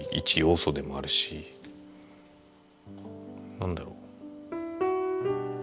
何だろう